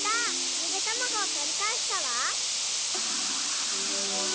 ゆでたまごをとりかえしたわ。